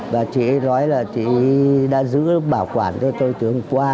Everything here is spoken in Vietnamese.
và chị ấy nói là chị ấy đã giữ bảo quản cho tôi từ hôm qua